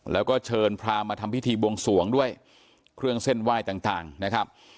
แล้วก็เชิญพรามมาทำพิธีบวงสวงด้วยเครื่องเส้นไหว้ต่างนะครับ